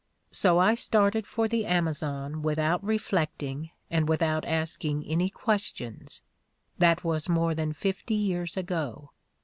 So I started for the Amazon without reflecting and without asking any ques tions. That was more than fifty years ago.